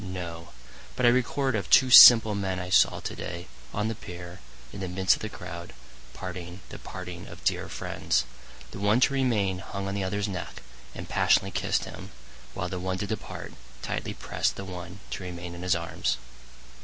—No; But I record of two simple men I saw to day, on the pier, in the midst of the crowd, parting the parting of dear friends; The one to remain hung on the other's neck, and passionately kiss'd him, While the one to depart, tightly prest the one to remain in his arms.